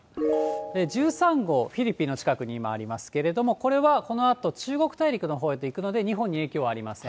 １３号、フィリピンの近くに今ありますけれども、これはこのあと、中国大陸のほうに行くので、日本に影響はありません。